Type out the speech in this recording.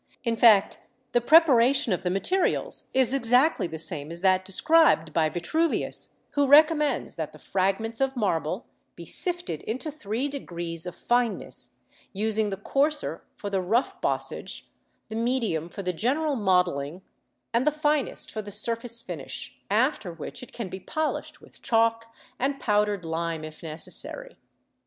In fact, the preparation of the materials is exactly the same as that described by Vitruvius, who recommends that the fragments of marble be sifted into three degrees of fineness, using the coarser for the rough bossage, the medium for the general modelling, and the finest for the surface finish, after which it can be polished with chalk and powdered lime if necessary.